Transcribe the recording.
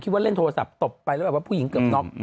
ว่าเล่นโทรศัพท์ตบไปแล้วแบบว่าผู้หญิงเกือบน็อก